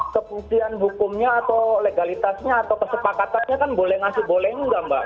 tidak ada kepungsian hukumnya atau legalitasnya atau kesepakatannya kan boleh ngasih boleh nggak mbak